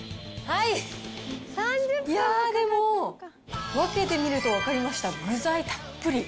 いやー、でも分けてみると分かりました、具材たっぷり。